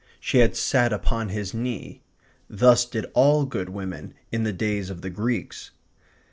She had sat upon his knee. Thus did all good women in the days of the Greeks.